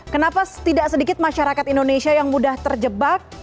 kenapa tidak sedikit masyarakat indonesia yang mudah terjebak